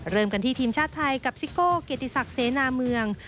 เริ่มกันที่ทีมชาติไทยกับซิโก้เกียรติศักดิ์เสนาเมือง